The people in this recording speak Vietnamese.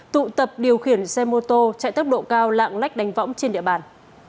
tụ tập điều khiển xe mô tô chạy tốc độ cao lạng lách đánh võng trên địa bàn